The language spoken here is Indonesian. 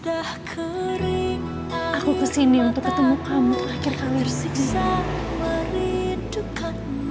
aku kesini untuk ketemu kamu terakhir kali bersama